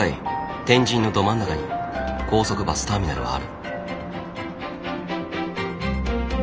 天神のど真ん中に高速バスターミナルはある。